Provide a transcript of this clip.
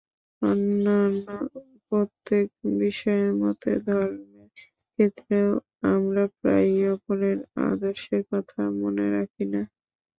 অন্যান্য প্রত্যেক বিষয়ের মত ধর্মের ক্ষেত্রেও আমরা প্রায়ই অপরের আদর্শের কথা মনে রাখি না।